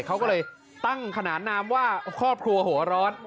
เขาก็เลยตั้งขนานนามว่าครอบครัวหัวร้อน